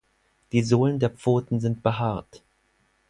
Die Sohlen der Pfoten sind behaart.